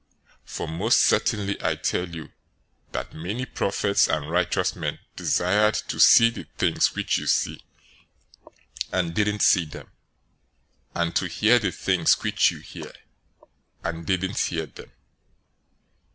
013:017 For most certainly I tell you that many prophets and righteous men desired to see the things which you see, and didn't see them; and to hear the things which you hear, and didn't hear them.